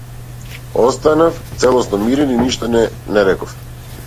Останав целосно мирен и ништо не реков.